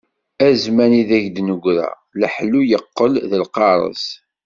A zzman ideg d-negra, leḥlu yeqqel d lqareṣ.